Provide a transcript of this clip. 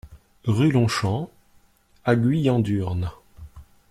Rue Longchamps à Guyans-Durnes